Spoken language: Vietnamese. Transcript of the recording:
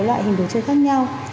loại hình đồ chơi khác nhau